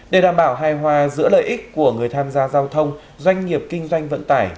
để đảm bảo hài hòa giữa lợi ích của người tham gia giao thông doanh nghiệp kinh doanh vận tải